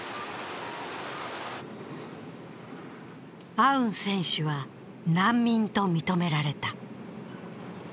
アウン選手は難民と認められた。